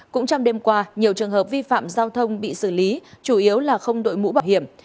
cũng trong đêm qua nhiều trường hợp vi phạm giao thông bị xử lý chủ yếu là không đội mũ bảo hiểm